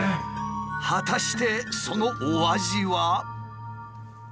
果たしてそのお味は？